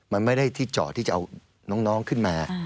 มันไม่ได้ที่เจาะที่จะเอาน้องขึ้นมา